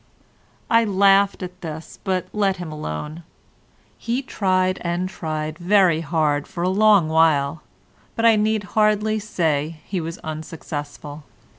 I laughed at this but let him alone. He tried and tried very hard for a long while, but I need hardly say was unsuccessful.